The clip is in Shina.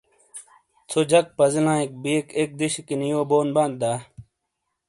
ژھو جک پزیلایئک بیئک ایک دِشیکینی یو بون بانت دا؟